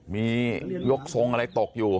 มียกทรงอะไรตกอยู่